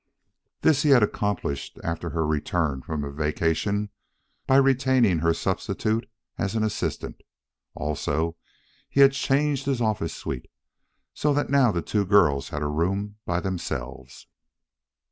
This he had accomplished after her return from a vacation, by retaining her substitute as an assistant. Also, he had changed his office suite, so that now the two girls had a room by themselves.